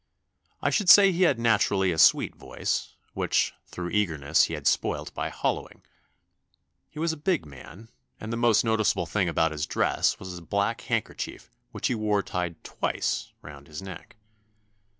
I should say he had naturally a sweet voice, which through eagerness he had spoilt by holloing. He was a big man, and the most noticeable thing about his dress was a black handkerchief which he wore tied twice round his neck.